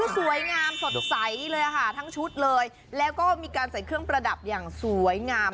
สวยงามสดใสเลยค่ะทั้งชุดเลยแล้วก็มีการใส่เครื่องประดับอย่างสวยงาม